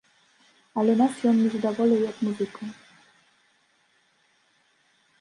Але нас ён не задаволіў як музыкаў.